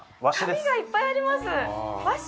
紙がいっぱいあります和紙？